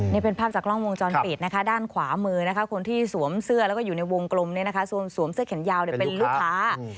นี่เป็นภาพจากกล้องวงจรปิดนะคะด้านขวามือนะคะคนที่สวมเสื้อแล้วก็อยู่ในวงกลมสวมเสื้อแขนยาวเป็นลูกค้า